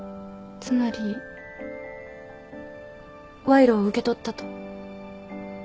つまり賄賂を受け取ったと？